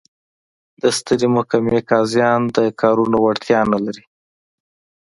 د سترې محکمې قاضیان د کارونو وړتیا نه لري.